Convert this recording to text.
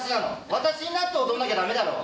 私になって踊らなきゃだめだろ！